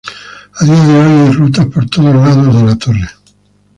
A día de hoy ha rutas por todos lados de la torre.